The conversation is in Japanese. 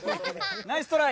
ナイストライ。